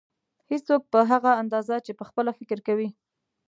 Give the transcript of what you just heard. هېڅوک په هغه اندازه چې پخپله فکر کوي.